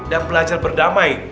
dan belajar berdamai